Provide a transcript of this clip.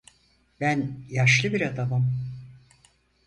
Ben yaşlı bir adamım.